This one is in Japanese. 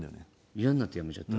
イヤになって辞めちゃった？